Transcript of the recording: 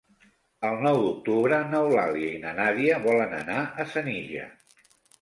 El nou d'octubre n'Eulàlia i na Nàdia volen anar a Senija.